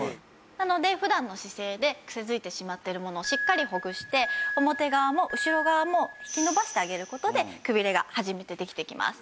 なので普段の姿勢で癖づいてしまっているものをしっかりほぐして表側も後ろ側も引き伸ばしてあげる事でくびれが初めてできてきます。